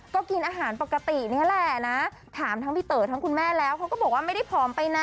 ก็กินอาหารปกตินี่แหละนะถามทั้งพี่เต๋อทั้งคุณแม่แล้วเขาก็บอกว่าไม่ได้ผอมไปนะ